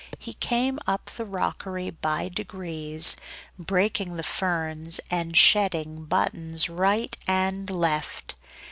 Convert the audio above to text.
He came up the rockery by degrees, breaking the ferns, and shedding buttons right and left.